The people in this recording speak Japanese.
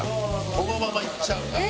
このままいっちゃうんだ。